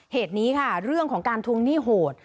เหตุนี้ค่ะเรื่องของการทวงหนี้โหด